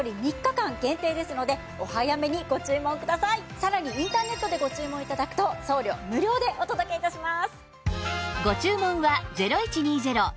さらにインターネットでご注文頂くと送料無料でお届け致します。